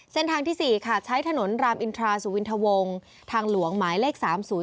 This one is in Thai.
ที่๔ค่ะใช้ถนนรามอินทราสุวินทวงทางหลวงหมายเลข๓๐๔